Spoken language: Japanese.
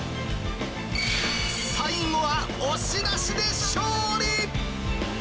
最後は押し出しで勝利！